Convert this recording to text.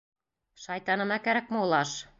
Шайтаныма кәрәкме ул аш?!